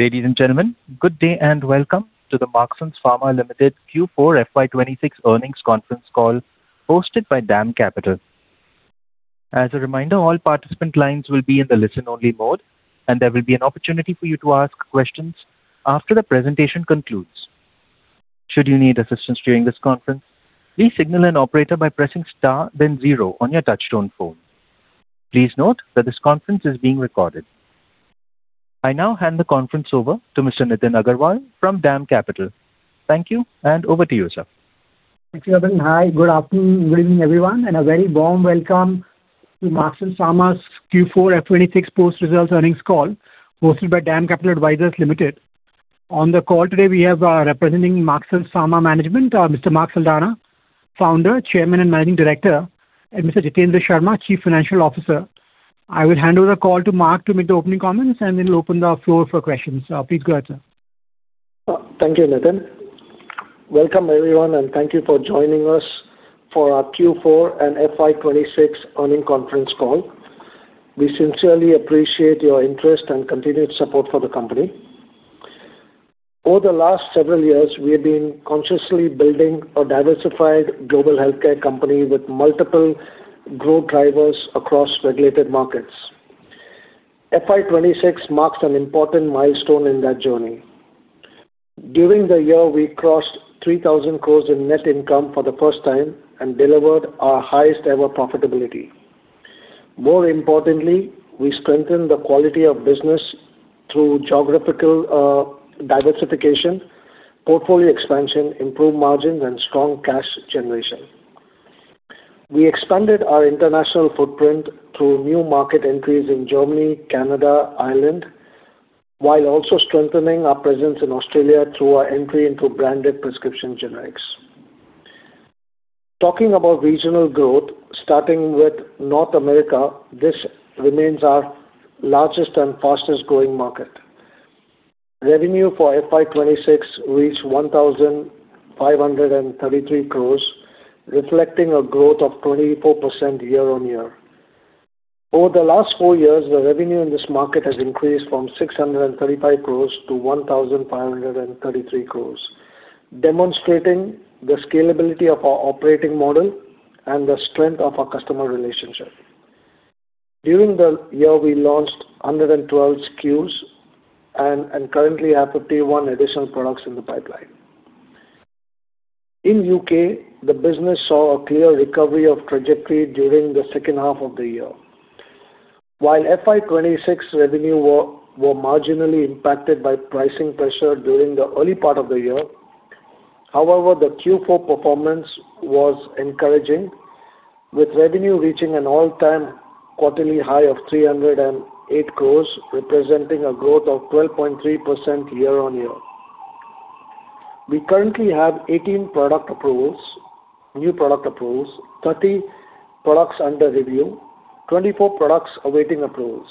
Ladies and gentlemen, good day and welcome to the Marksans Pharma Limited Q4 FY 2026 earnings conference call hosted by DAM Capital. As a reminder, all participant lines will be in the listen-only mode and there will be an opportunity for you to ask questions after the presentation concludes. Should you need assistance during this conference, please signal an operator by pressing star then zero on your touch-tone phone. Please note that this conference is being recorded. I now hand the conference over to Mr. Nitin Agarwal from DAM Capital. Thank you, and over to you, sir. Thank you. Hi. Good afternoon, good evening, everyone, and a very warm welcome to Marksans Pharma's Q4 FY 2026 post-results earnings call hosted by DAM Capital Advisors Limited. On the call today we have representing Marksans Pharma management Mr. Mark Saldanha, Founder, Chairman, and Managing Director, and Mr. Jitendra Sharma, Chief Financial Officer. I will hand over the call to Mark to make the opening comments, and then we'll open the floor for questions. Please go ahead, sir. Thank you, Nitin. Welcome, everyone, and thank you for joining us for our Q4 and FY 2026 earning conference call. We sincerely appreciate your interest and continued support for the company. Over the last several years, we have been consciously building a diversified global healthcare company with multiple growth drivers across regulated markets. FY 2026 marks an important milestone in that journey. During the year, we crossed 3,000 crore in net income for the first time and delivered our highest ever profitability. More importantly, we strengthened the quality of business through geographical diversification, portfolio expansion, improved margins, and strong cash generation. We expanded our international footprint through new market entries in Germany, Canada, Ireland, while also strengthening our presence in Australia through our entry into branded prescription generics. Talking about regional growth, starting with North America, this remains our largest and fastest-growing market. Revenue for FY 2026 reached 1,533 crores, reflecting a growth of 24% year-on-year. Over the last four years, the revenue in this market has increased from 635 crores to 1,533 crores, demonstrating the scalability of our operating model and the strength of our customer relationship. During the year, we launched 112 SKUs and currently have 51 additional products in the pipeline. In U.K., the business saw a clear recovery of trajectory during the second half of the year. While FY 2026 revenue was marginally impacted by pricing pressure during the early part of the year, however, the Q4 performance was encouraging, with revenue reaching an all-time quarterly high of 308 crores, representing a growth of 12.3% year-on-year. We currently have 18 new product approvals, 30 products under review, 24 products awaiting approvals.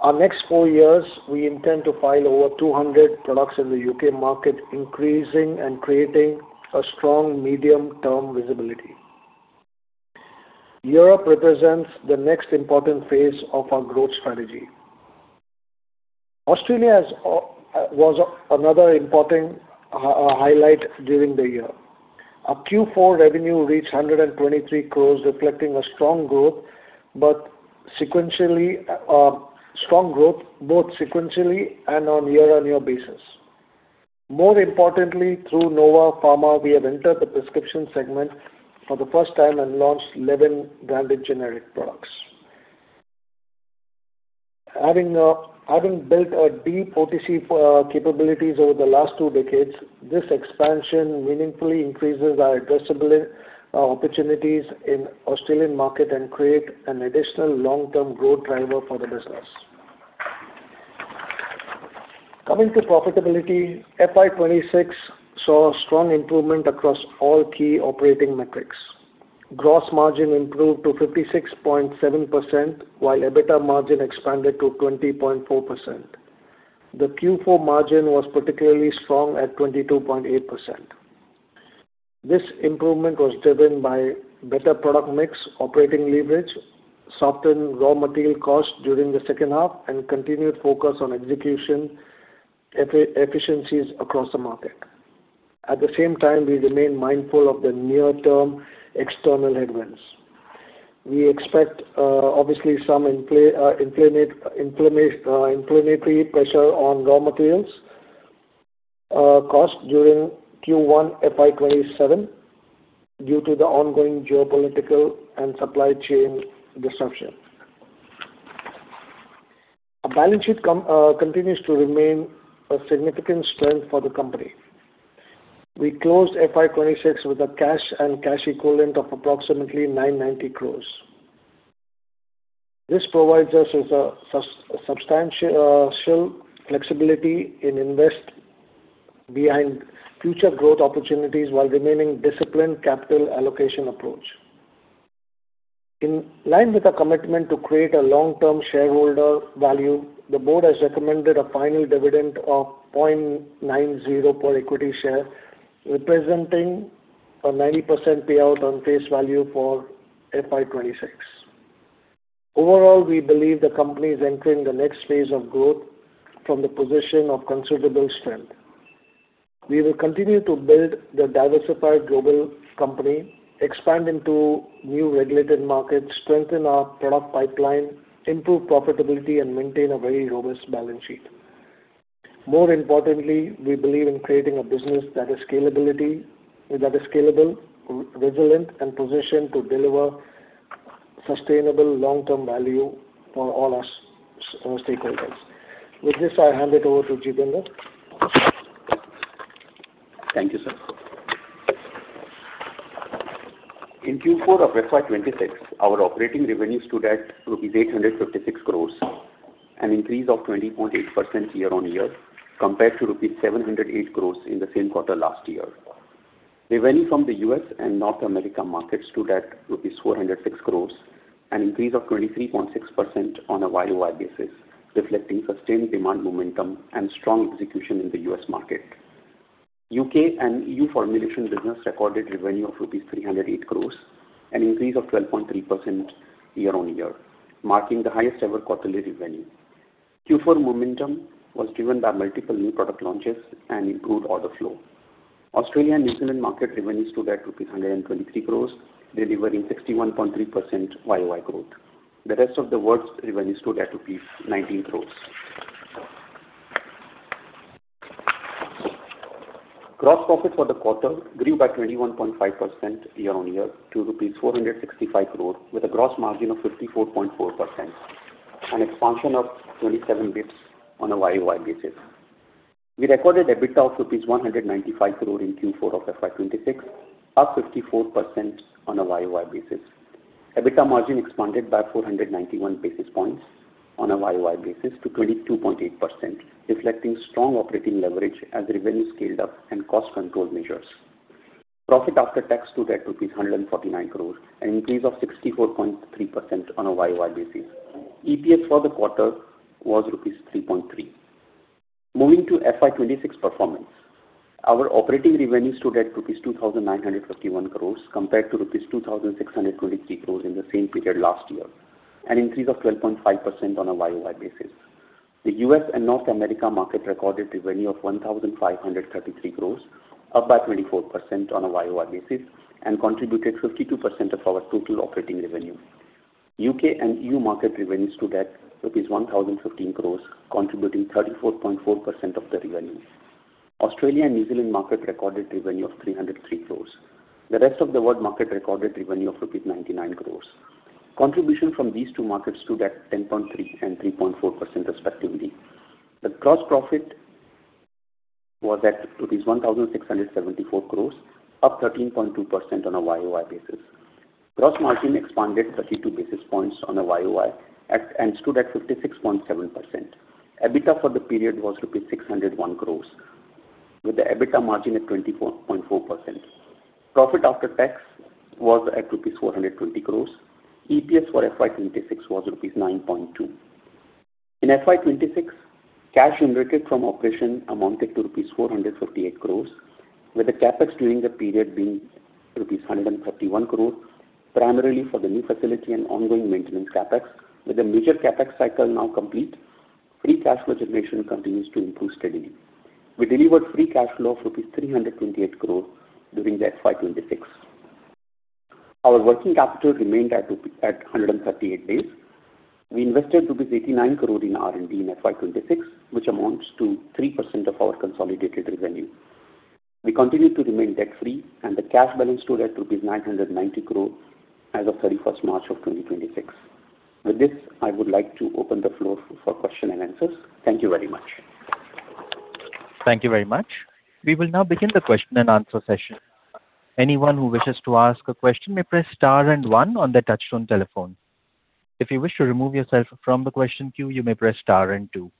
Our next four years, we intend to file over 200 products in the U.K. market, increasing and creating a strong medium-term visibility. Europe represents the next important phase of our growth strategy. Australia was another important highlight during the year. Our Q4 revenue reached 123 crores, reflecting a strong growth, both sequentially and on year-on-year basis. More importantly, through Nova Pharmaceuticals, we have entered the prescription segment for the first time and launched 11 branded generic products. Having built deep OTC capabilities over the last two decades, this expansion meaningfully increases our addressable opportunities in Australian market and create an additional long-term growth driver for the business. Coming to profitability, FY 2026 saw strong improvement across all key operating metrics. Gross margin improved to 56.7%, while EBITDA margin expanded to 20.4%. The Q4 margin was particularly strong at 22.8%. This improvement was driven by better product mix, operating leverage, softened raw material costs during the second half, and continued focus on execution efficiencies across the market. At the same time, we remain mindful of the near-term external headwinds. We expect obviously some inflationary pressure on raw materials cost during Q1 FY 2027 due to the ongoing geopolitical and supply chain disruption. Our balance sheet continues to remain a significant strength for the company. We closed FY 2026 with a cash and cash equivalent of approximately 990 crores. This provides us with substantial flexibility in invest behind future growth opportunities while remaining disciplined capital allocation approach. In line with our commitment to create a long-term shareholder value, the board has recommended a final dividend of 0.90 per equity share, representing a 90% payout on face value for FY 2026. Overall, we believe the company is entering the next phase of growth from the position of considerable strength. We will continue to build the diversified global company, expand into new regulated markets, strengthen our product pipeline, improve profitability, and maintain a very robust balance sheet. More importantly, we believe in creating a business that is scalable, resilient, and positioned to deliver sustainable long-term value for all our stakeholders. With this, I hand it over to Jitendra. Thank you, sir. In Q4 of FY 2026, our operating revenue stood at rupees 856 crore, an increase of 20.8% year-over-year compared to rupees 708 crore in the same quarter last year. Revenue from the U.S. and North America markets stood at rupees 406 crore, an increase of 23.6% on a YoY basis, reflecting sustained demand momentum and strong execution in the U.S. market. U.K. and EU formulation business recorded revenue of rupees 308 crore, an increase of 12.3% year-over-year, marking the highest-ever quarterly revenue. Q4 momentum was driven by multiple new product launches and improved order flow. Australia and New Zealand market revenue stood at INR 123 crore, delivering 61.3% YoY growth. The rest of the world's revenue stood at rupees 19 crore. Gross profit for the quarter grew by 21.5% year-on-year to rupees 465 crores, with a gross margin of 54.4%, an expansion of 27 basis points on a YoY basis. We recorded EBITDA of rupees 195 crore in Q4 of FY 2026, up 54% on a YoY basis. EBITDA margin expanded by 491 basis points on a YoY basis to 22.8%, reflecting strong operating leverage as revenue scaled up and cost control measures. Profit after tax stood at rupees 149 crores, an increase of 64.3% on a YoY basis. EPS for the quarter was rupees 3.3. Moving to FY 2026 performance. Our operating revenue stood at INR 2,951 crores compared to INR 2,623 crores in the same period last year, an increase of 12.5% on a YoY basis. The U.S. and North America market recorded revenue of 1,533 crores, up by 24% on a YoY basis, and contributed 52% of our total operating revenue. U.K. and E.U. market revenue stood at 1,015 crores, contributing 34.4% of the revenue. Australia and New Zealand market recorded revenue of 303 crores. The rest of the world market recorded revenue of INR 99 crores. Contribution from these two markets stood at 10.3% and 3.4% respectively. The gross profit was at 1,674 crores, up 13.2% on a YoY basis. Gross margin expanded 32 basis points on a YoY and stood at 56.7%. EBITDA for the period was rupees 601 crores, with the EBITDA margin at 24.4%. Profit after tax was at rupees 420 crores. EPS for FY 2026 was rupees 9.2. In FY 2026, cash generated from operation amounted to rupees 458 crores, with the CapEx during the period being rupees 131 crore, primarily for the new facility and ongoing maintenance CapEx. With the major CapEx cycle now complete, free cash flow generation continues to improve steadily. We delivered free cash flow of INR 328 crore during the FY 2026. Our working capital remained at 138 days. We invested INR 89 crore in R&D in FY 2026, which amounts to 3% of our consolidated revenue. We continue to remain debt-free, and the cash balance stood at rupees 990 crore as of 31st March 2026. With this, I would like to open the floor for question and answers. Thank you very much. Thank you very much. We will now begin the question and answer session. If you wish to remove yourself from the question queue, you may press star and two.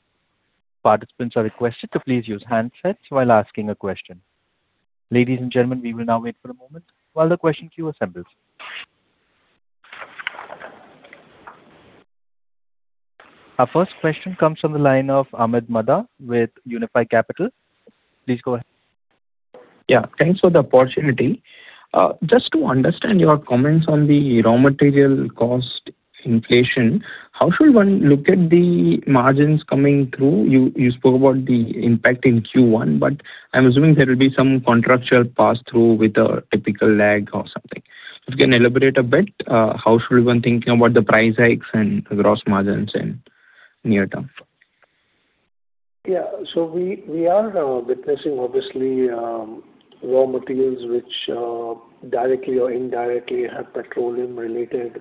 Participants are requested to please use handsets while asking a question. Ladies and gentlemen, we will now wait for a moment while the question queue assembles. Our first question comes from the line of Amit Mada with Unifi Capital. Please go ahead. Yeah. Thanks for the opportunity. Just to understand your comments on the raw material cost inflation, how should one look at the margins coming through? You spoke about the impact in Q1, but I'm assuming there will be some contractual pass-through with a typical lag or something. If you can elaborate a bit, how should one think about the price hikes and gross margins in near term? Yeah. We are witnessing, obviously, raw materials which directly or indirectly have petroleum-related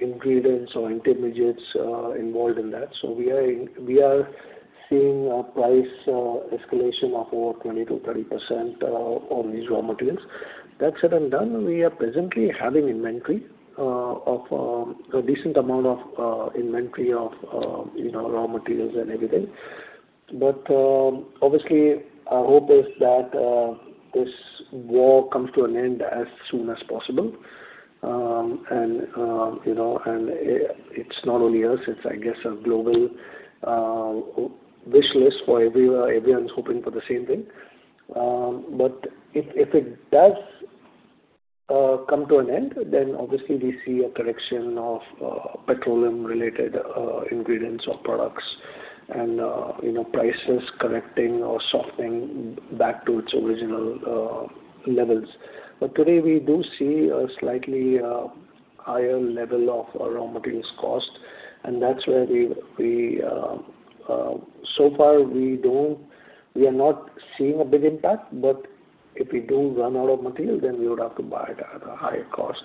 ingredients or intermediates involved in that. We are seeing a price escalation of over 20%-30% on these raw materials. That said and done, we are presently having a decent amount of inventory of raw materials and everything. Obviously, our hope is that this war comes to an end as soon as possible. It's not only us, it's, I guess, a global wish list for everyone. Everyone's hoping for the same thing. If it does come to an end, obviously we see a correction of petroleum-related ingredients or products, and prices correcting or softening back to its original levels. Today we do see a slightly higher level of raw materials cost, and so far we are not seeing a big impact, but if we do run out of material, then we would have to buy it at a higher cost.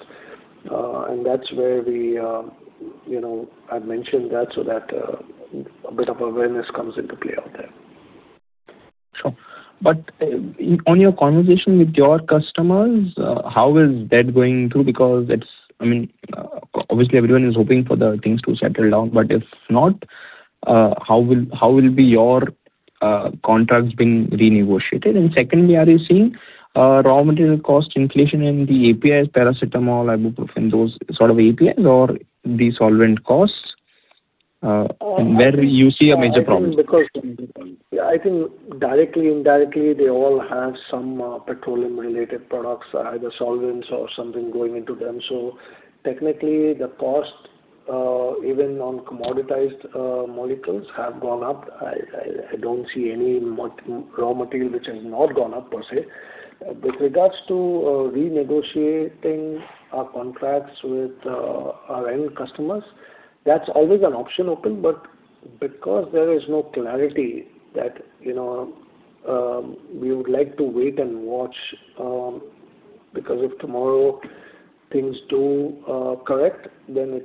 That's where I mentioned that, so that a bit of awareness comes into play out there. Sure. On your conversation with your customers, how is that going through? Obviously everyone is hoping for the things to settle down, but if not, how will be your contracts being renegotiated? Secondly, are you seeing raw material cost inflation in the APIs, paracetamol, ibuprofen, those sort of APIs, or the solvent costs? Where you see a major problem? I think directly, indirectly, they all have some petroleum-related products, either solvents or something going into them. Technically, the cost, even on commoditized molecules, have gone up. I don't see any raw material which has not gone up, per se. With regards to renegotiating our contracts with our end customers, that's always an option open. Because there is no clarity, we would like to wait and watch, because if tomorrow things do correct, then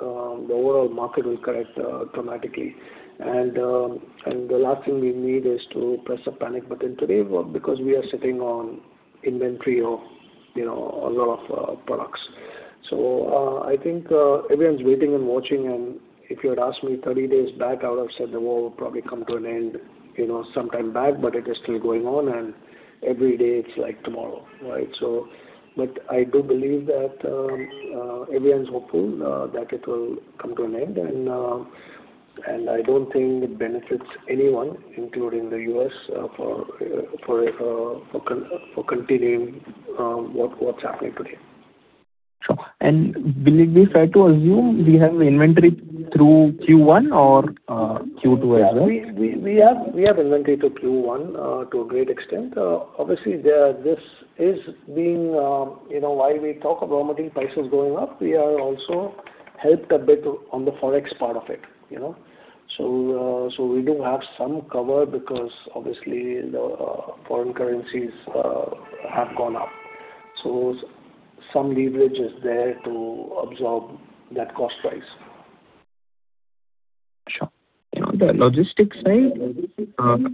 the overall market will correct dramatically. The last thing we need is to press a panic button today, because we are sitting on inventory of a lot of products. I think everyone's waiting and watching, and if you had asked me 30 days back, I would have said the war would probably come to an end sometime back, but it is still going on, and every day, it's like tomorrow, right? I do believe that everyone's hopeful that it'll come to an end, and I don't think it benefits anyone, including the U.S., for continuing what's happening today. Sure. Will it be fair to assume we have the inventory through Q1 or Q2 as well? We have inventory to Q1 to a great extent. Obviously, while we talk of raw material prices going up, we are also helped a bit on the Forex part of it. We do have some cover because obviously the foreign currencies have gone up. Some leverage is there to absorb that cost rise. Sure. On the logistics side,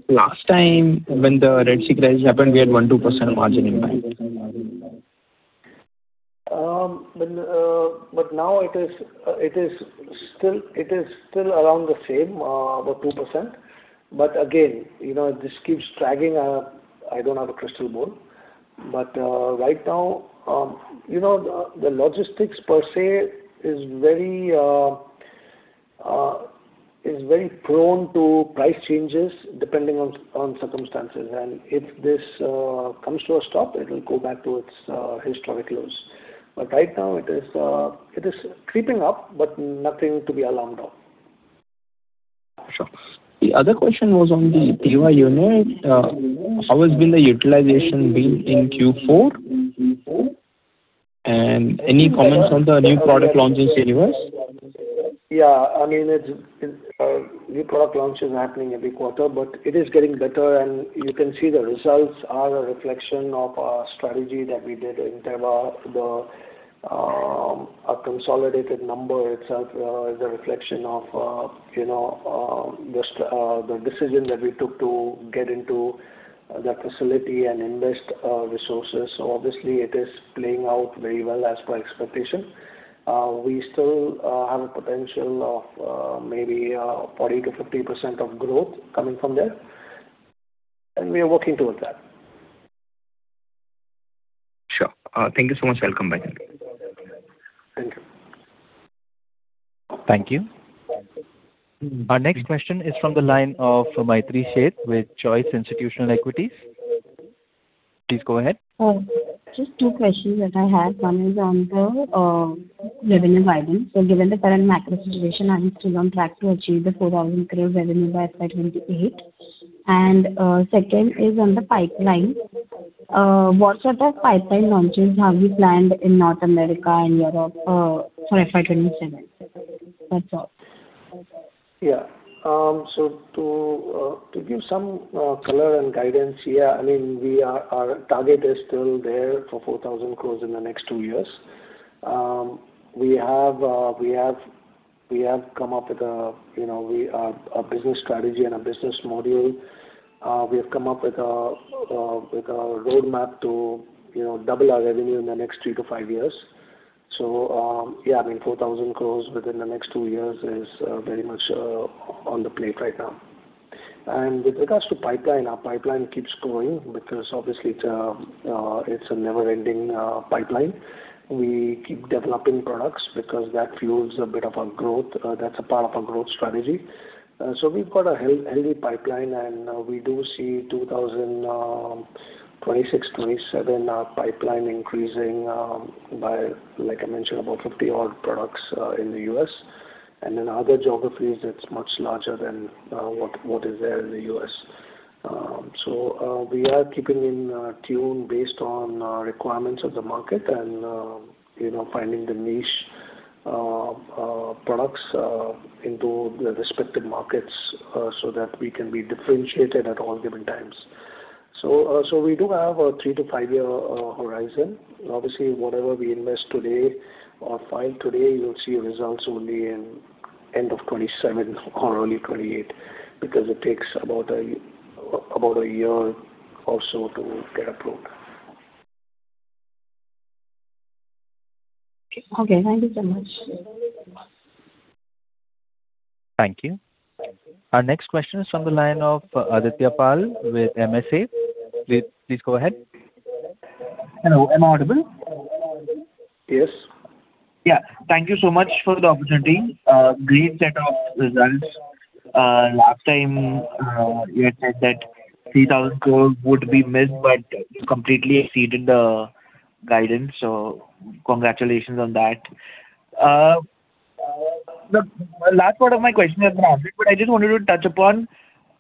last time when the Red Sea crisis happened, we had 1%, 2% margin impact. Now it is still around the same, about 2%. Again, this keeps dragging. I don't have a crystal ball. Right now, the logistics per se is very prone to price changes depending on circumstances. If this comes to a stop, it will go back to its historic lows. Right now it is creeping up, but nothing to be alarmed of. Sure. The other question was on the Teva unit. How has been the utilization been in Q4? Any comments on the new product launches in U.S.? Yeah. New product launch is happening every quarter, but it is getting better, and you can see the results are a reflection of our strategy that we did in Teva. Our consolidated number itself is a reflection of the decision that we took to get into that facility and invest resources. Obviously it is playing out very well as per expectation. We still have a potential of maybe 40%-50% of growth coming from there, and we are working towards that. Sure. Thank you so much. I'll come back. Thank you. Thank you. Our next question is from the line of Maitri Sheth with Choice Institutional Equities. Please go ahead. Just two questions that I have. One is on the revenue guidance. Given the current macro situation, are you still on track to achieve the 4,000 crore revenue by FY 2028? Second is on the pipeline. What sort of pipeline launches have you planned in North America and Europe for FY 2027? That's all. Yeah. To give some color and guidance here, our target is still there for 4,000 crores in the next two years. We have come up with a business strategy and a business model. We have come up with a roadmap to double our revenue in the next three to five years. Yeah, 4,000 crores within the next two years is very much on the plate right now. With regards to pipeline, our pipeline keeps growing because obviously it's a never-ending pipeline. We keep developing products because that fuels a bit of our growth. That's a part of our growth strategy. We've got a healthy pipeline, and we do see 2026-2027 pipeline increasing by, like I mentioned, about 50-odd products in the U.S. In other geographies, it's much larger than what is there in the U.S. We are keeping in tune based on requirements of the market and finding the niche products into the respective markets so that we can be differentiated at all given times. We do have a three to five-year horizon. Obviously, whatever we invest today or file today, you'll see results only in end of 2027 or early 2028, because it takes about a year or so to get approved. Okay. Thank you so much. Thank you. Our next question is from the line of Aditya Pal with MSA. Please go ahead. Hello, am I audible? Yes. Yeah. Thank you so much for the opportunity. Great set of results. Last time you had said that 3,000 crore would be missed, but you completely exceeded the guidance, so congratulations on that. The last part of my question you have answered, but I just wanted to touch upon,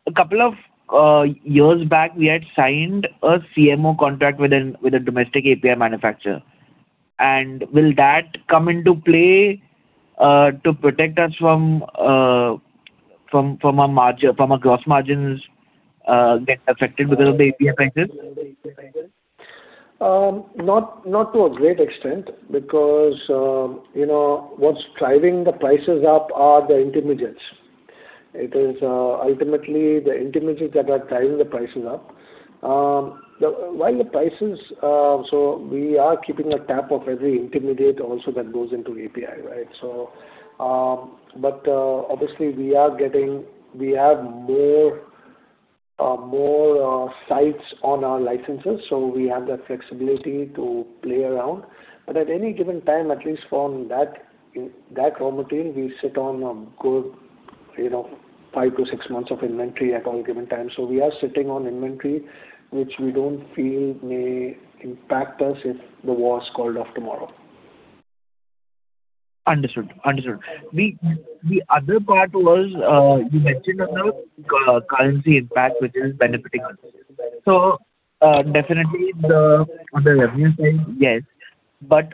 a couple of years back, we had signed a CMO contract with a domestic API manufacturer. Will that come into play to protect us from our gross margins getting affected because of the API prices? Not to a great extent because what's driving the prices up are the intermediates. It is ultimately the intermediates that are driving the prices up. We are keeping a tap of every intermediate also that goes into API. Obviously, we have more sites on our licenses, so we have that flexibility to play around. At any given time, at least from that raw material, we sit on a good five to six months of inventory at all given times. We are sitting on inventory, which we don't feel may impact us if the war is called off tomorrow. Understood. The other part was, you mentioned on the currency impact, which is benefiting us. Definitely on the revenue side, yes.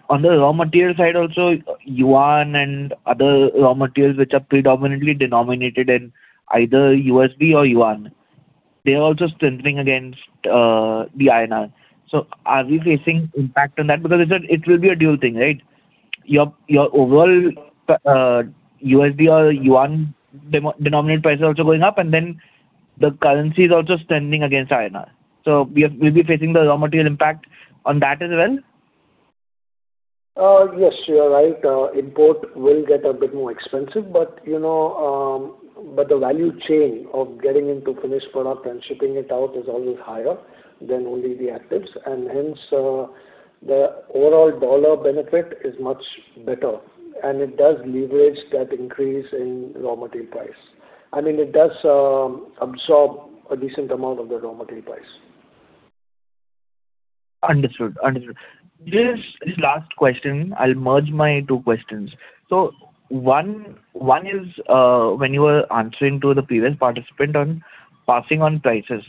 On the raw material side also, yuan and other raw materials which are predominantly denominated in either USD or yuan, they are also strengthening against the INR. Are we facing impact on that? Because it will be a dual thing, right? Your overall USD or yuan-denominated price is also going up, and then the currency is also strengthening against INR. We'll be facing the raw material impact on that as well? Yes, you are right. Import will get a bit more expensive, but the value chain of getting into finished product and shipping it out is always higher than only the actives, and hence the overall US dollar benefit is much better, and it does leverage that increase in raw material price. I mean, it does absorb a decent amount of the raw material price. Understood. This last question, I'll merge my two questions. One is, when you were answering to the previous participant on passing on prices.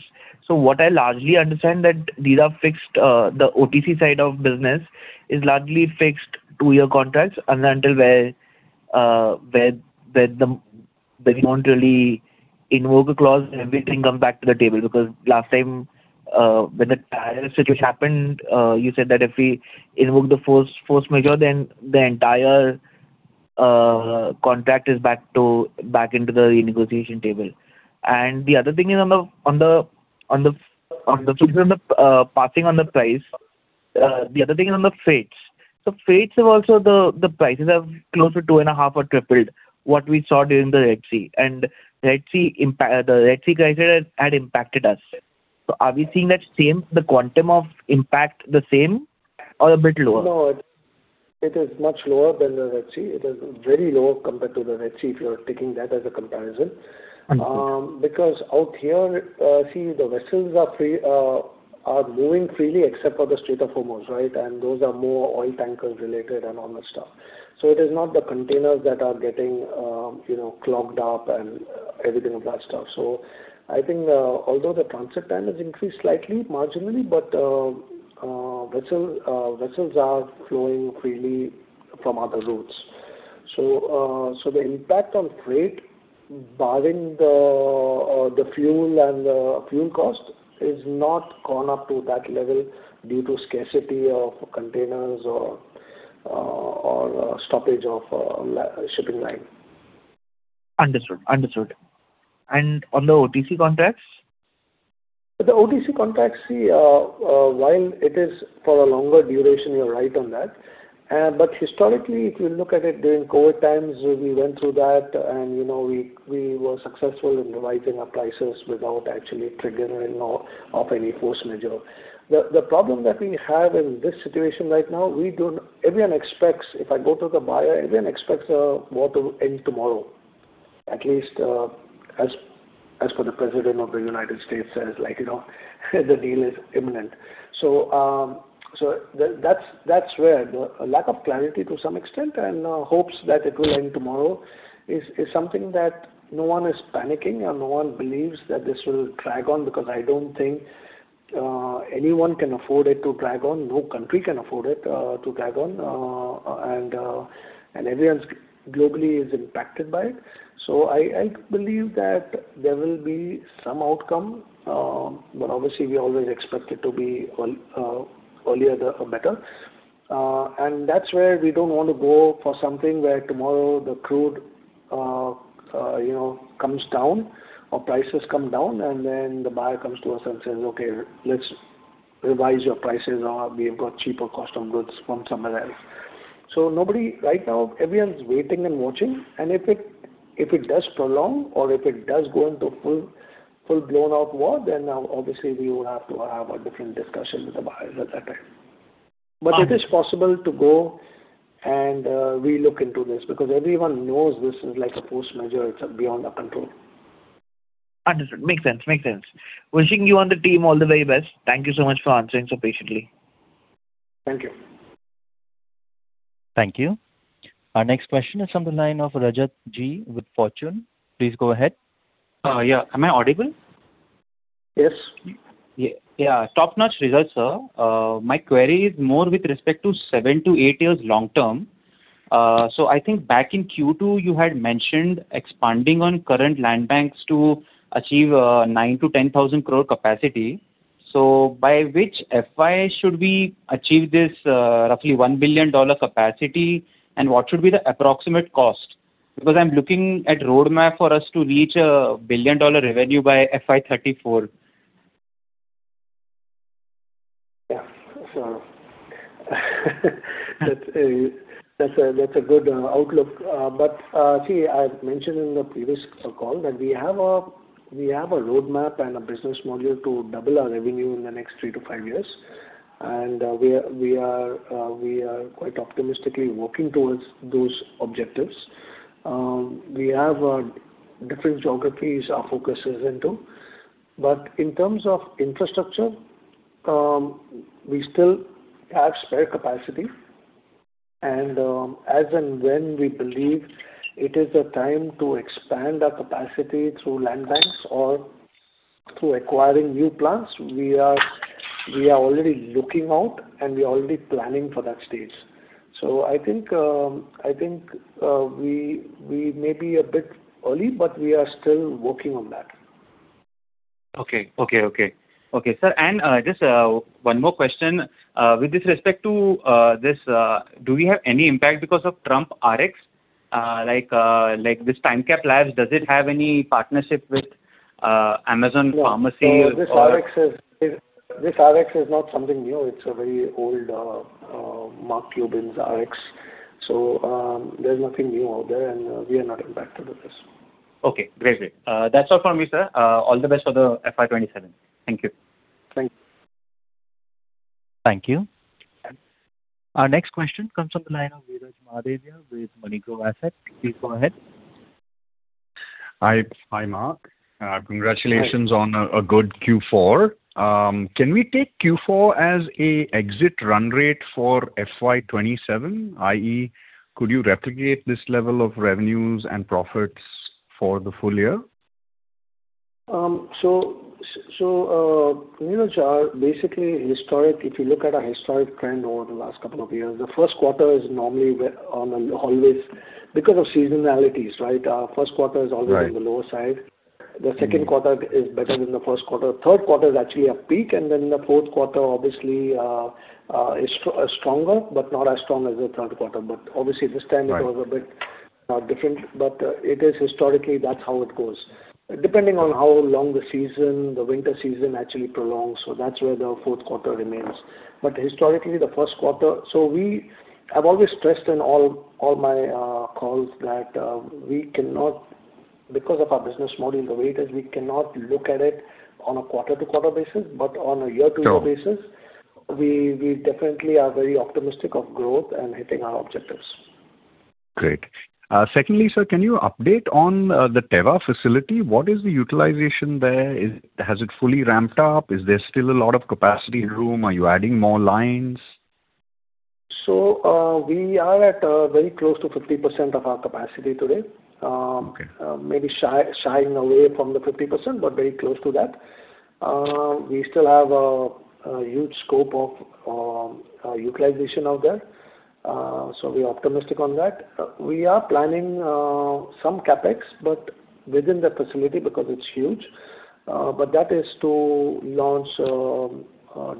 What I largely understand that the OTC side of business is largely fixed two-year contracts, and until where we won't really invoke a clause, everything comes back to the table. Because last time, when the TIRE situation happened, you said that if we invoke the force majeure, then the entire contract is back into the negotiation table. The other thing is on the passing on the price. The other thing is on the freights. Freights, also the prices have close to two and a half or tripled what we saw during the Red Sea. The Red Sea crisis had impacted us. Are we seeing the quantum of impact the same or a bit lower? No, it is much lower than the Red Sea. It is very low compared to the Red Sea, if you are taking that as a comparison. Understood. Out here, see, the vessels are moving freely except for the Strait of Hormuz. Those are more oil tanker related and all that stuff. It is not the containers that are getting clogged up and everything of that stuff. I think although the transit time has increased slightly, marginally, vessels are flowing freely from other routes. The impact on freight, barring the fuel and the fuel cost, is not gone up to that level due to scarcity of containers or stoppage of shipping line. Understood. On the OTC contracts. The OTC contracts, while it is for a longer duration, you're right on that. Historically, if you look at it during COVID times, we went through that and we were successful in revising our prices without actually triggering off any force majeure. The problem that we have in this situation right now, everyone expects, if I go to the buyer, everyone expects the war to end tomorrow. At least as per the President of the United States says, the deal is imminent. That's where the lack of clarity to some extent and hopes that it will end tomorrow is something that no one is panicking and no one believes that this will drag on because I don't think anyone can afford it to drag on. No country can afford it to drag on. Everyone globally is impacted by it. I believe that there will be some outcome. Obviously we always expect it to be earlier the better. That's where we don't want to go for something where tomorrow the crude comes down or prices come down, then the buyer comes to us and says, "Okay, let's revise your prices, or we've got cheaper cost of goods from somewhere else." Right now everyone's waiting and watching, and if it does prolong or if it does go into full blown-out war, then obviously we would have to have a different discussion with the buyers at that time. It is possible to go and re-look into this because everyone knows this is like a force majeure. It's beyond our control. Understood. Makes sense. Wishing you and the team all the very best. Thank you so much for answering so patiently. Thank you. Thank you. Our next question is on the line of Rajat G. with Fortune. Please go ahead. Yeah. Am I audible? Yes. Yeah. Top-notch results, sir. My query is more with respect to seven to eight years long-term. I think back in Q2 you had mentioned expanding on current land banks to achieve 9,000 crore-10,000 crore capacity. By which FY should we achieve this roughly $1 billion capacity and what should be the approximate cost? Because I'm looking at roadmap for us to reach a billion-dollar revenue by FY 2034. Yeah. That's a good outlook. See, I've mentioned in the previous call that we have a roadmap and a business module to double our revenue in the next three to five years. We are quite optimistically working towards those objectives. We have different geographies our focus is into. In terms of infrastructure, we still have spare capacity, and as and when we believe it is the time to expand our capacity through land banks or through acquiring new plants, we are already looking out and we're already planning for that stage. I think we may be a bit early, but we are still working on that. Okay. Sir, just one more question. With this respect to this, do we have any impact because of TrumpRx? Like this Time-Cap Labs, does it have any partnership with Amazon Pharmacy? This Rx is not something new. It's a very old Mark Cuban's Rx. There's nothing new out there, and we are not impacted with this. Okay, great. That's all from me, sir. All the best for the FY 2027. Thank you. Thanks. Thank you. Our next question comes from the line of Viraj Mahadevia with MoneyGrow Asset. Please go ahead. Hi, Mark. Congratulations. Hi on a good Q4. Can we take Q4 as a exit run rate for FY 2027, i.e., could you replicate this level of revenues and profits for the full year? Viraj, basically if you look at our historic trend over the last couple of years, the first quarter is normally always, because of seasonalities, right? Right on the lower side. The second quarter is better than the first quarter. Third quarter is actually a peak, and then the fourth quarter obviously is stronger, but not as strong as the third quarter. Obviously this time it was a bit different. Historically, that's how it goes. Depending on how long the winter season actually prolongs. That's where the fourth quarter remains. Historically, the first quarter. I've always stressed in all my calls that because of our business model, the way it is, we cannot look at it on a quarter-to-quarter basis, but on a year-to-year basis. Sure. We definitely are very optimistic of growth and hitting our objectives. Great. Secondly, sir, can you update on the Teva facility? What is the utilization there? Has it fully ramped up? Is there still a lot of capacity room? Are you adding more lines? We are at very close to 50% of our capacity today. Okay. Maybe shying away from the 50%, but very close to that. We still have a huge scope of utilization out there. We're optimistic on that. We are planning some CapEx within that facility, because it's huge. That is to launch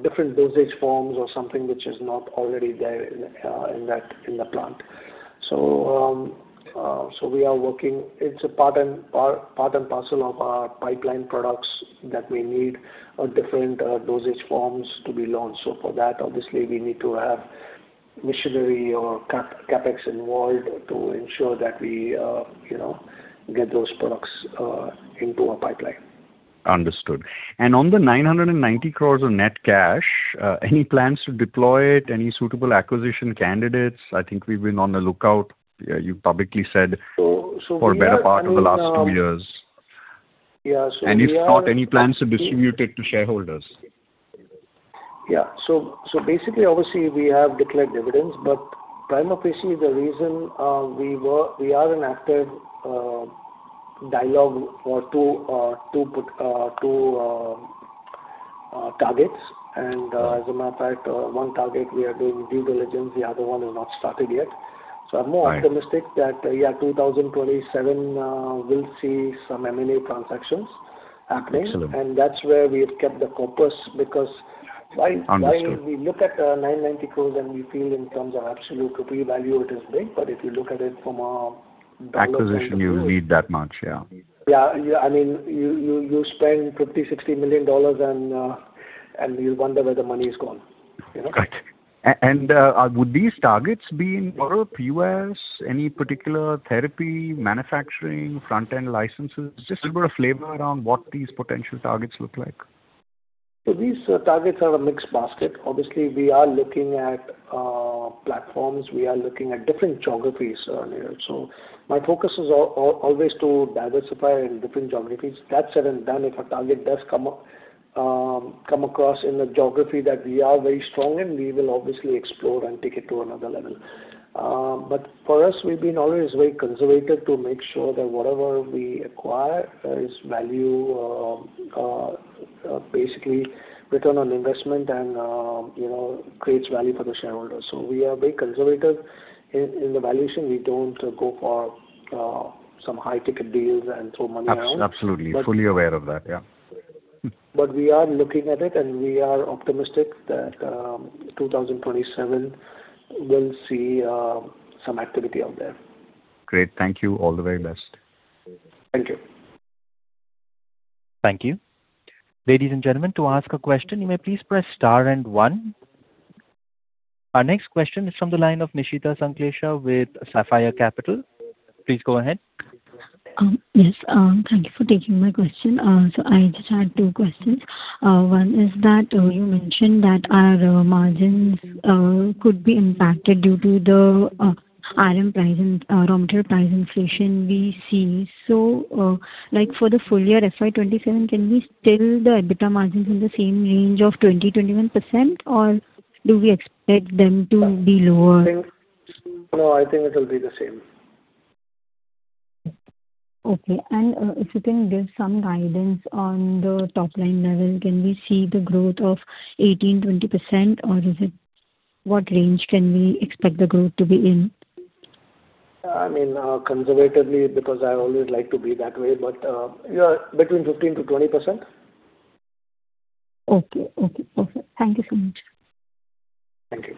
different dosage forms or something which is not already there in the plant. We are working. It's a part and parcel of our pipeline products that we need different dosage forms to be launched. For that, obviously, we need to have machinery or CapEx involved to ensure that we get those products into our pipeline. Understood. On the 990 crores of net cash, any plans to deploy it? Any suitable acquisition candidates? I think we've been on the lookout, you publicly said- So we are- for a better part of the last two years. Yeah. If not, any plans to distribute it to shareholders? Yeah. Basically, obviously, we have declared dividends, but prima facie, the reason we are in active dialogue to targets, and as a matter of fact, one target we are doing due diligence, the other one is not started yet. Right. I'm more optimistic that, yeah, 2027, we'll see some M&A transactions happening. Excellent. That's where we have kept the corpus. Understood We look at 990 crore and we feel in terms of absolute pre-value, it is big, but if you look at it from a dollar point of view. Acquisition, you need that much. Yeah. Yeah. You spend $50 million, $60 million and you wonder where the money is gone. You know? Right. Would these targets be in Europe, U.S., any particular therapy, manufacturing, front-end licenses? Just a little bit of flavor around what these potential targets look like. These targets are a mixed basket. Obviously, we are looking at platforms. We are looking at different geographies. My focus is always to diversify in different geographies. That said and done, if a target does come across in a geography that we are very strong in, we will obviously explore and take it to another level. For us, we've been always very conservative to make sure that whatever we acquire is value, basically return on investment and creates value for the shareholders. We are very conservative in the valuation. We don't go for some high-ticket deals and throw money around. Absolutely. Fully aware of that. Yeah. We are looking at it, and we are optimistic that 2027, we'll see some activity out there. Great. Thank you. All the very best. Thank you. Thank you. Ladies and gentlemen, to ask a question, you may please press star one. Our next question is from the line of Nishita Sanklesha with Sapphire Capital. Please go ahead. Yes. Thank you for taking my question. I just had two questions. One is that you mentioned that our margins could be impacted due to the raw material price inflation we see. Like for the full year FY 2027, can we still the EBITDA margins in the same range of 20%-21%, or do we expect them to be lower? No, I think it will be the same. Okay. If you can give some guidance on the top-line level, can we see the growth of 18%-20%? What range can we expect the growth to be in? Conservatively, because I always like to be that way, but between 15%-20%. Okay. Perfect. Thank you so much. Thank you.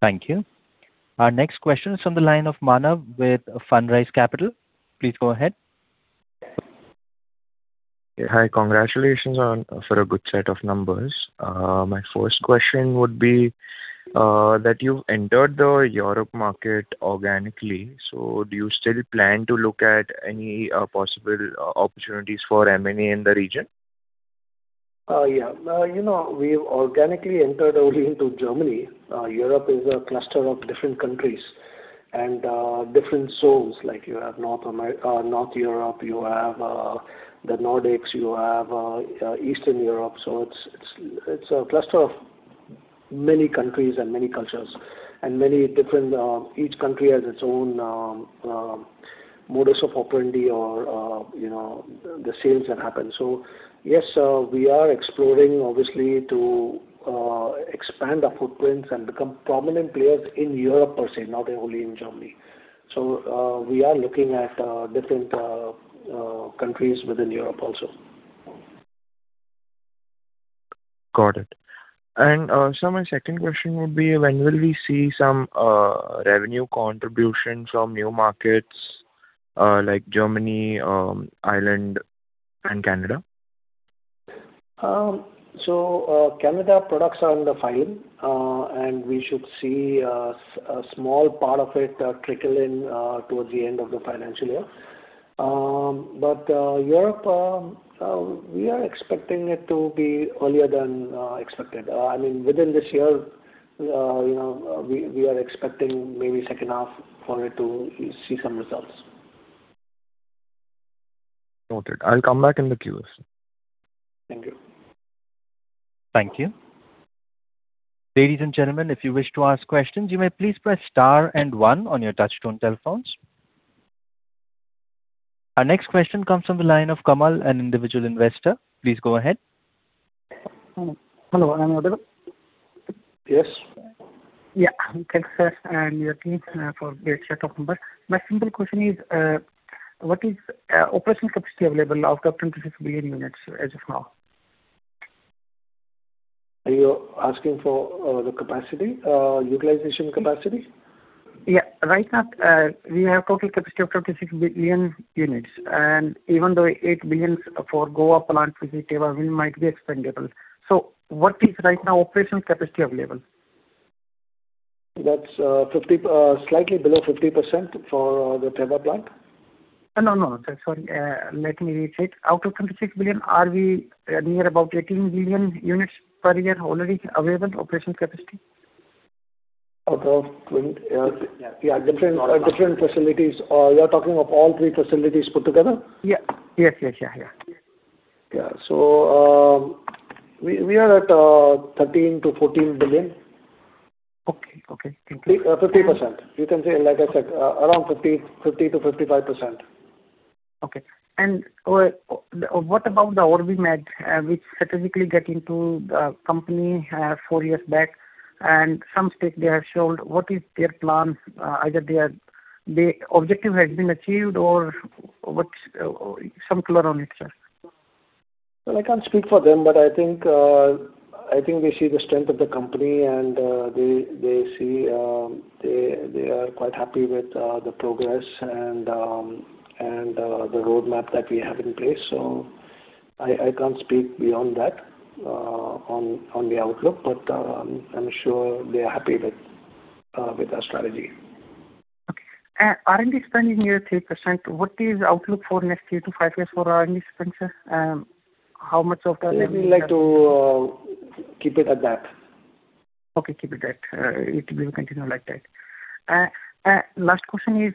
Thank you. Our next question is from the line of Manav with Fundrise Capital. Please go ahead. Hi. Congratulations for a good set of numbers. My first question would be that you've entered the Europe market organically, so do you still plan to look at any possible opportunities for M&A in the region? We've organically entered only into Germany. Europe is a cluster of different countries and different zones. Like you have North Europe, you have the Nordics, you have Eastern Europe. It's a cluster of many countries and many cultures. Each country has its own modus operandi or the sales that happen. Yes, we are exploring obviously to expand our footprints and become prominent players in Europe per se, not only in Germany. We are looking at different countries within Europe also. Got it. My second question would be, when will we see some revenue contribution from new markets like Germany, Ireland, and Canada? Canada products are in the file, and we should see a small part of it trickle in towards the end of the financial year. Europe, we are expecting it to be earlier than expected. Within this year, we are expecting maybe second half for it to see some results. Noted. I'll come back in the queue. Thank you. Thank you. Ladies and gentlemen, if you wish to ask questions, you may please press star and one on your touch-tone telephones. Our next question comes from the line of Kamal, an individual investor. Please go ahead. Hello. Am I audible? Yes. Yeah. Congrats and your team for great set of numbers. My simple question is, what is operational capacity available of the 26 billion units as of now? Are you asking for the capacity, utilization capacity? Right now, we have total capacity of 36 billion units. Even though 8 billion for Goa plant for Teva, we might be expendable. What is right now operations capacity available? That's slightly below 50% for the Teva plant. No, sir. Sorry. Let me recheck. Out of 36 billion, are we near about 18 billion units per year already available operations capacity? Yeah. Different facilities. You are talking of all three facilities put together? Yeah. Yeah. We are at 13 billion-14 billion. Okay. Thank you. 50%. You can say, like I said, around 50%-55%. Okay. What about the OrbiMed, which strategically get into the company four years back and some stake they have showed. What is their plans? Either their objective has been achieved or some color on it, sir. Well, I can't speak for them, but I think they see the strength of the company, and they are quite happy with the progress and the roadmap that we have in place. I can't speak beyond that on the outlook. I'm sure they are happy with our strategy. Okay. R&D spending near 3%. What is outlook for next year to five years for R&D spend, sir? We would like to keep it at that. Okay. Keep it that. It will continue like that. Last question is,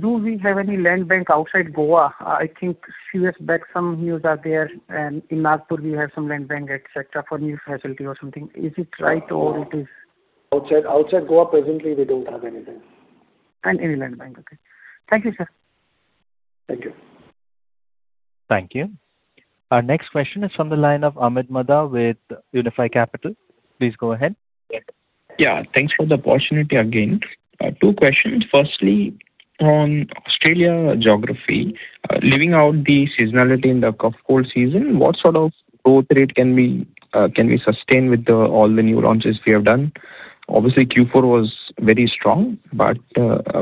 do we have any land bank outside Goa? I think few years back some news are there and in Nagpur we have some land bank, et cetera, for new facility or something. Is it right or it is? Outside Goa, presently, we don't have anything. Any land bank. Okay. Thank you, sir. Thank you. Thank you. Our next question is from the line of Amit Mada with Unifi Capital. Please go ahead. Yeah. Thanks for the opportunity again. Two questions. Firstly, on Australia geography. Leaving out the seasonality and the cough, cold season, what sort of growth rate can we sustain with all the new launches we have done? Obviously, Q4 was very strong, but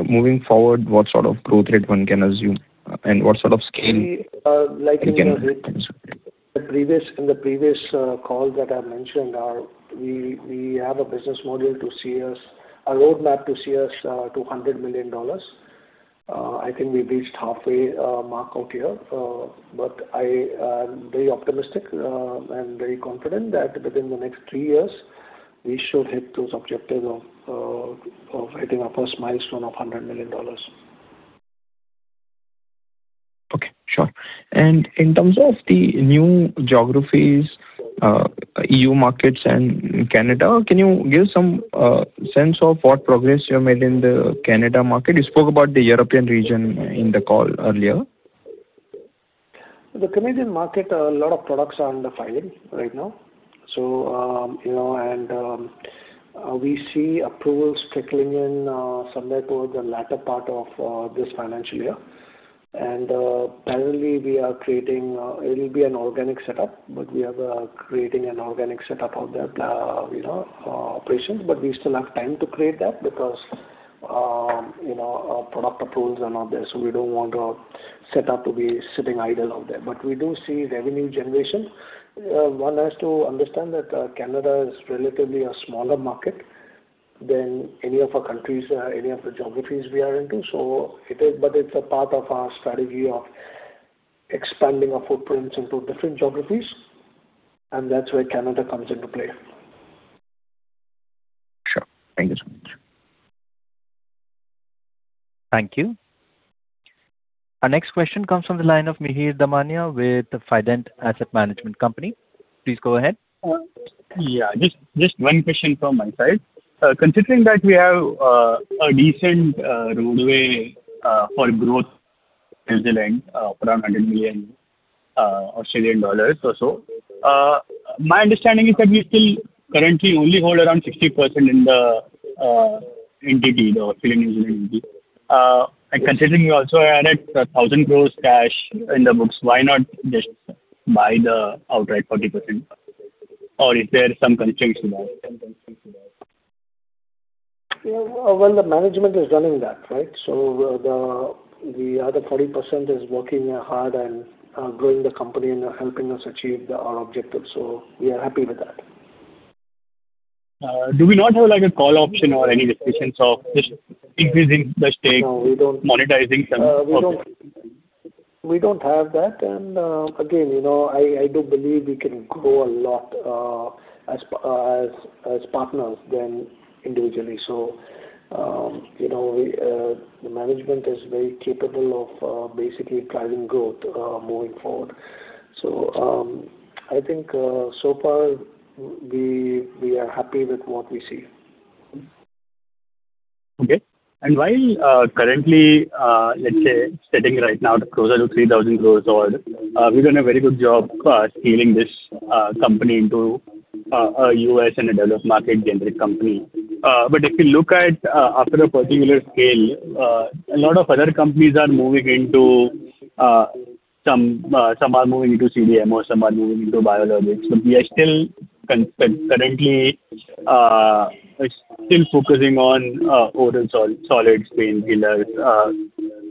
moving forward, what sort of growth rate one can assume, and what sort of scale- See, like in the previous call that I mentioned, we have a roadmap to see us to $100 million. I think we've reached halfway mark out here. I am very optimistic and very confident that within the next three years, we should hit those objectives of hitting our first milestone of $100 million. Okay. Sure. In terms of the new geographies, EU markets and Canada, can you give some sense of what progress you have made in the Canada market? You spoke about the European region in the call earlier. The Canadian market, a lot of products are under filing right now. We see approvals trickling in somewhere towards the latter part of this financial year. Currently, it'll be an organic setup, but we are creating an organic setup out there operations. We still have time to create that because our product approvals are not there, so we don't want our setup to be sitting idle out there. We do see revenue generation. One has to understand that Canada is relatively a smaller market than any of the geographies we are into. It's a part of our strategy of expanding our footprints into different geographies, and that's where Canada comes into play. Sure. Thank you so much. Thank you. Our next question comes from the line of Mihir Damania with Fident Asset Management Company. Please go ahead. Yeah. Just one question from my side. Considering that we have a decent roadway for growth, New Zealand, around 100 million Australian dollars or so. My understanding is that we still currently only hold around 60% in the entity, the Australian, New Zealand entity. Considering we also added 1,000 crores cash in the books, why not just buy the outright 40%? Is there some constraints in that? Well, the management is running that, right? The other 40% is working hard and growing the company and helping us achieve our objectives. We are happy with that. Do we not have a call option or any discussions of just increasing the stake? No, we don't- monetizing some of it? We don't have that. Again, I do believe we can grow a lot as partners than individually. The management is very capable of basically driving growth moving forward. I think so far we are happy with what we see. Okay. While currently, let's say sitting right now closer to 3,000 crore or we've done a very good job scaling this company into a U.S. and a developed market generic company. If you look at after a particular scale, a lot of other companies are moving into. Some are moving into CDMO or some are moving into biologics, but we are still currently focusing on oral solid painkillers,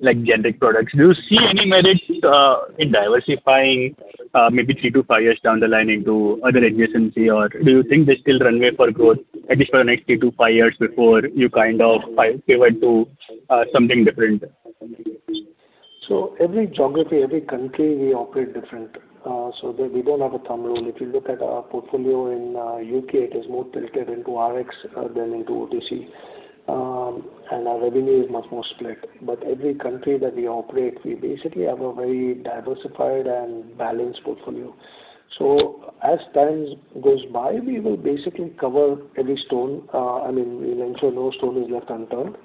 like generic products. Do you see any merits in diversifying maybe three-five years down the line into other adjacencies or do you think there's still runway for growth at least for the next three-five years before you pivot to something different? Every geography, every country, we operate different. We don't have a thumb rule. If you look at our portfolio in U.K., it is more tilted into Rx than into OTC. Our revenue is much more split. Every country that we operate, we basically have a very diversified and balanced portfolio. As time goes by, we will basically cover every stone. We'll ensure no stone is left unturned.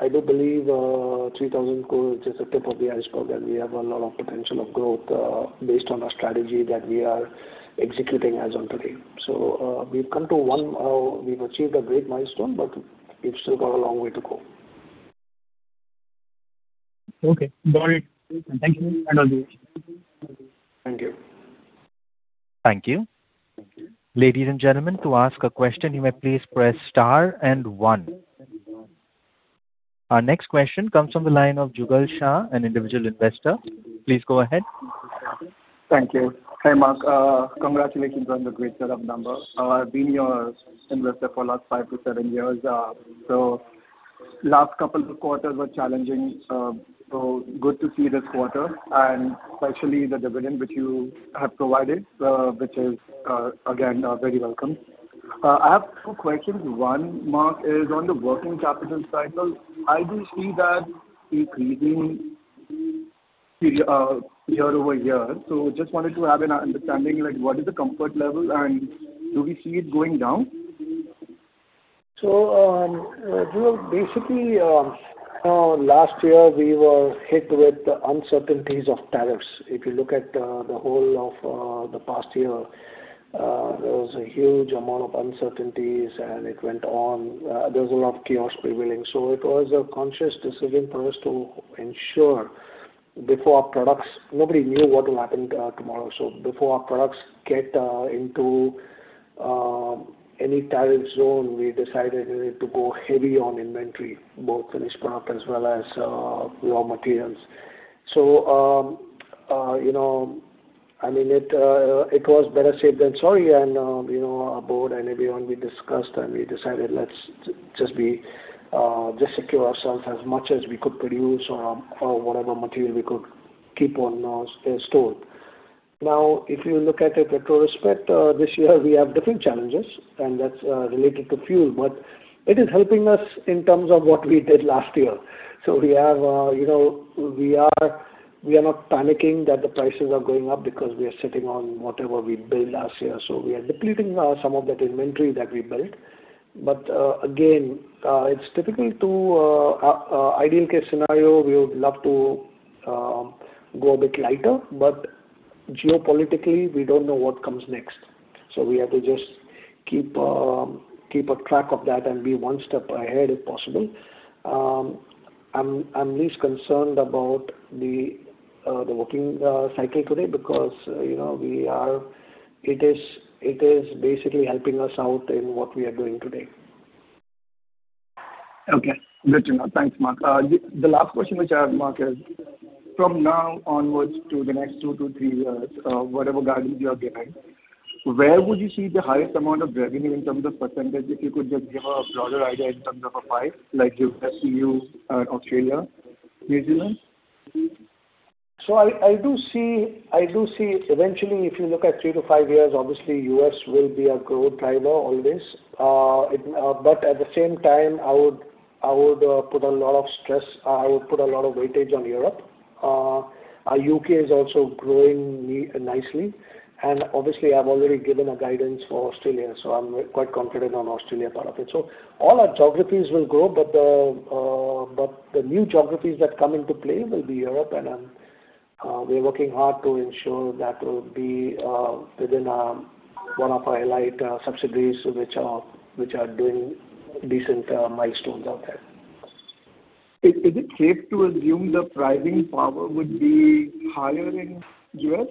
I do believe 3,000 crores is the tip of the iceberg, and we have a lot of potential of growth based on our strategy that we are executing as on today. We've achieved a great milestone, but we've still got a long way to go. Okay. Got it. Thank you. Thank you. Thank you. Ladies and gentlemen, to ask a question, you may please press star and one. Our next question comes from the line of Jugal Shah, an individual investor. Please go ahead. Thank you. Hey, Mark. Congratulations on the great set of numbers. I've been your investor for the last five to seven years. Last couple of quarters were challenging, good to see this quarter, and especially the dividend which you have provided, which is again, very welcome. I have two questions. One, Mark, is on the working capital cycle. I do see that increasing year-over-year. Just wanted to have an understanding, like what is the comfort level and do we see it going down? Jugal, basically, last year we were hit with the uncertainties of tariffs. If you look at the whole of the past year, there was a huge amount of uncertainties, and it went on. There was a lot of chaos prevailing. It was a conscious decision for us to ensure. Nobody knew what will happen tomorrow. Before our products get into any tariff zone, we decided to go heavy on inventory, both finished product as well as raw materials. It was better safe than sorry, and our board and everyone, we discussed and we decided, let's just secure ourselves as much as we could produce or whatever material we could keep on store. Now, if you look at it in retrospect, this year we have different challenges, and that's related to fuel. It is helping us in terms of what we did last year. We are not panicking that the prices are going up because we are sitting on whatever we built last year. We are depleting some of that inventory that we built. Again, it's typical to ideal case scenario, we would love to go a bit lighter, but geopolitically, we don't know what comes next. We have to just keep a track of that and be one step ahead if possible. I'm least concerned about the working cycle today because it is basically helping us out in what we are doing today. Okay. Got you now. Thanks, Mark. The last question which I have, Mark, is from now onwards to the next two to three years, whatever guidance you are giving, where would you see the highest amount of revenue in terms of percentage? If you could just give a broader idea in terms of a pie, like US, EU, Australia, New Zealand. I do see eventually, if you look at three to five years, obviously U.S. will be a growth driver always. At the same time, I would put a lot of weightage on Europe. U.K. is also growing nicely, and obviously, I've already given a guidance for Australia, so I'm quite confident on Australia part of it. All our geographies will grow, but the new geographies that come into play will be Europe and we're working hard to ensure that will be within one of our elite subsidiaries, which are doing decent milestones out there. Is it safe to assume the pricing power would be higher in U.S.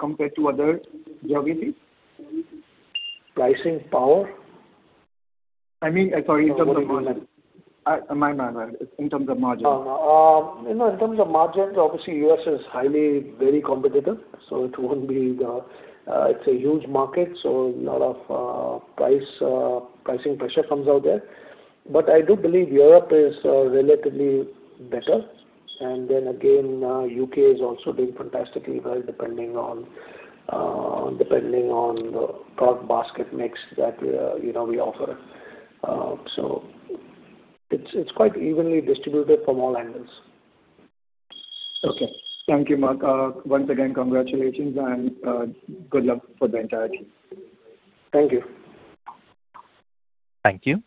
compared to other geographies? Pricing power? I mean, sorry, in terms of margin. My bad. In terms of margin. In terms of margins, obviously U.S. is highly, very competitive. It's a huge market, so lot of pricing pressure comes out there. I do believe Europe is relatively better. Again, U.K. is also doing fantastically well depending on the product basket mix that we offer. It's quite evenly distributed from all angles. Okay. Thank you, Mark. Once again, congratulations and good luck for the entire team. Thank you. Thank you.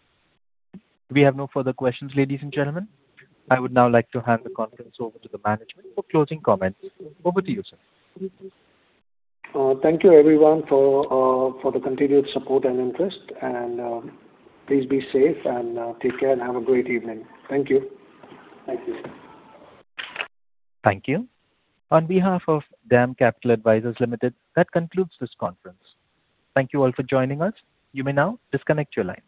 We have no further questions, ladies and gentlemen. I would now like to hand the conference over to the management for closing comments. Over to you, sir. Thank you everyone for the continued support and interest. Please be safe and take care and have a great evening. Thank you. Thank you. Thank you. On behalf of DAM Capital Advisors Limited, that concludes this conference. Thank you all for joining us. You may now disconnect your lines.